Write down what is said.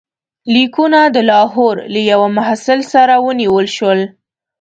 لیکونه د لاهور له یوه محصل سره ونیول شول.